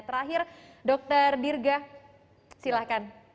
terakhir dr dirga silahkan